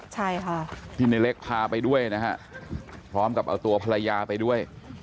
ใช่ค่ะที่ในเล็กพาไปด้วยนะฮะพร้อมกับเอาตัวภรรยาไปด้วย